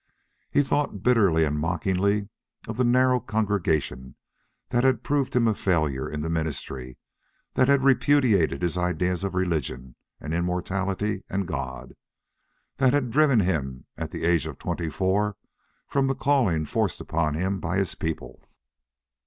He thought bitterly and mockingly of the narrow congregation that had proved him a failure in the ministry, that had repudiated his ideas of religion and immortality and God, that had driven him, at the age of twenty four, from the calling forced upon him by his people.